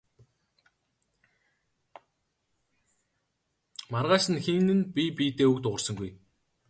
Маргааш нь хэн нь бие биедээ үг дуугарсангүй.